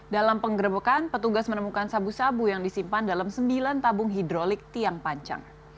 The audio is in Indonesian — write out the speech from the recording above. dalam penggerebekan petugas menemukan sabu sabu yang disimpan dalam sembilan tabung hidrolik tiang panjang